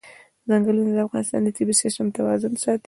ځنګلونه د افغانستان د طبعي سیسټم توازن ساتي.